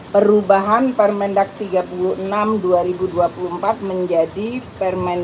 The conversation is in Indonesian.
perubahan permendak tiga puluh enam dua ribu dua puluh empat menjadi permen